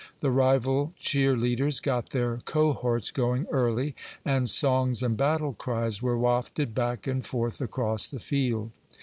The rival cheer leaders got their cohorts going early, and songs and battle cries were wafted back and forth across the field.